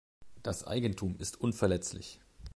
Das Eigentum ist unverletzlich.